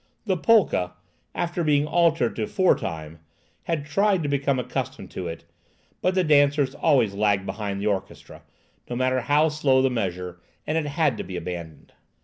The polka, after being altered to four time, had tried to become accustomed to it; but the dancers always lagged behind the orchestra, no matter how slow the measure, and it had to be abandoned.